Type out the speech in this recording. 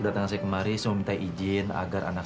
bang saya mau ikutan jualan koran bang